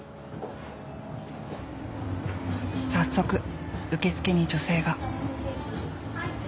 早速受付に女性が。